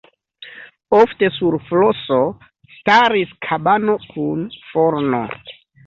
Ofte sur floso staris kabano kun forno.